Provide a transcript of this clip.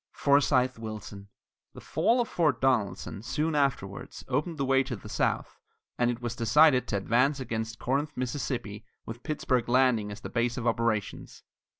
FORCEYTHE WILLSON. The fall of Fort Donelson, soon afterwards, opened the way to the south and it was decided to advance against Corinth, Miss., with Pittsburg Landing as the base of operations.